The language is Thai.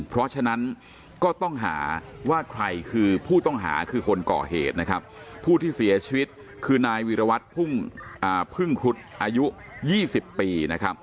เพราะฉะนั้นก็ต้องหาว่าใครคือผู้ต้องหาคือคนก่อเหตุนะครับผู้ที่เสียชีวิตคือนายวิรวัตรพึ่งครุฑอายุ๒๐ปีนะครับ